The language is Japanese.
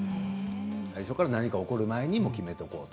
だから何か起こる前に決めておこうと。